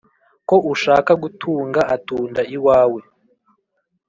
ko ushaka gutunga atunda iwawe